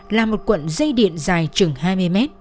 là một cuộn dây điện dài chừng hai mươi mét